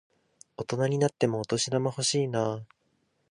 大人になってもお年玉欲しいなぁ。